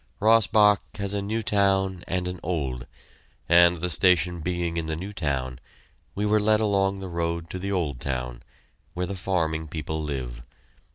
Rossbach has a new town and an old, and, the station being in the new town, we were led along the road to the old town, where the farming people live.